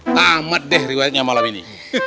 tamat deh riwetnya malam ini